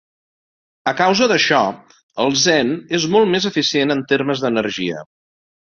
A causa d'això, el zen és molt més eficient en termes d'energia.